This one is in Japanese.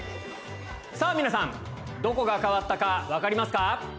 さぁ皆さんどこが変わったか分かりますか？